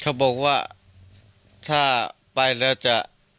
เขาบอกว่าถ้าไปแล้วจะ